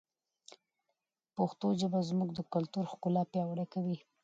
پښتو ژبه زموږ د کلتور ښکلا پیاوړې کوي.